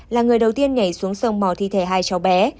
là người đầu tiên nhảy xuống sông mò thi thể hai cháu bé